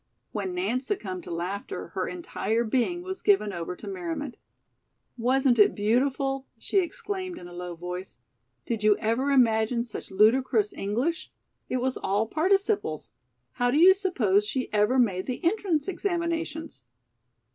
When Nance succumbed to laughter, her entire being was given over to merriment. "Wasn't it beautiful?" she exclaimed in a low voice. "Did you ever imagine such ludicrous English? It was all participles. How do you suppose she ever made the entrance examinations?"